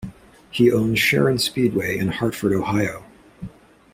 He owns Sharon Speedway in Hartford, Ohio.